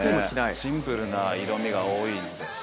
シンプルな色みが多いんで。